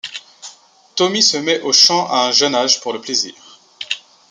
Tommy se met au chant à un jeune âge pour le plaisir.